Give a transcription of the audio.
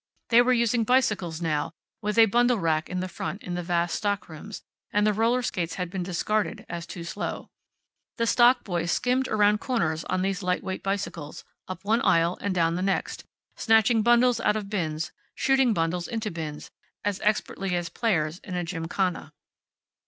They were using bicycles now, with a bundle rack in the front, in the vast stock rooms, and the roller skates had been discarded as too slow. The stock boys skimmed around corners on these lightweight bicycles, up one aisle, and down the next, snatching bundles out of bins, shooting bundles into bins, as expertly as players in a gymkhana.